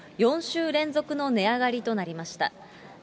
４週連続の値上がりとなりました。